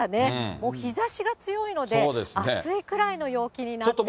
もう日ざしが強いので、暑いくらいの陽気になってるんですよ。